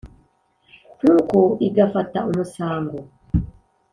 Ntuku igafata umusango.